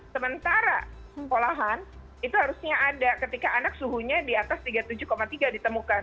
sementara sekolahan itu harusnya ada ketika anak suhunya di atas tiga puluh tujuh tiga ditemukan